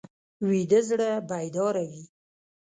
ویده زړه بیداره وي